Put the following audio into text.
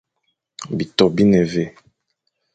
Bitô bi ne mvè,